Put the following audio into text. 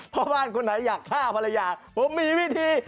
พ่อบ้านคนไหนอยากฆ่าภรรยาผมมีวิธี